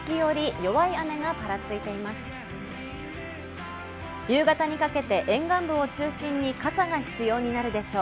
夕方にかけて沿岸部を中心に傘が必要になるでしょう。